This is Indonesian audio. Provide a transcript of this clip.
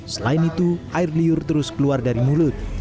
selain itu air liur terus keluar dari mulut